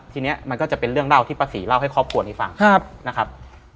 ทีนี้มันก็จะเป็นเรื่องเล่าที่ป้าศรีเล่าให้ครอบครัวนี้ฟังนะครับ